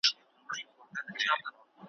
پر هر میدان دي بری په شور دی ,